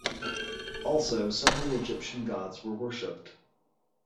Also, several Egyptian gods were worshipped.